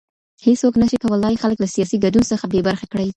هيڅوک نشي کولای خلګ له سياسي ګډون څخه بې برخي کړي.